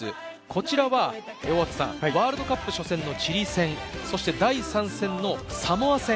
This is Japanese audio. こちらはワールドカップ初戦のチリ戦、第３戦のサモア戦。